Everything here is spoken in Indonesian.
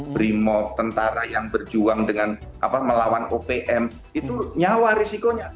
brimo tentara yang berjuang dengan melawan opm itu nyawa risikonya